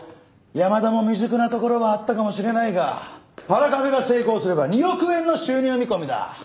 山田も未熟なところはあったかもしれないがパラカフェが成功すれば２億円の収入見込みだ。